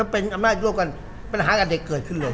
เป็นอำนาจร่วมกันปัญหากับเด็กเกิดขึ้นเลย